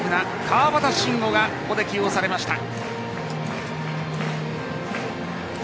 川端慎吾がここで起用されました。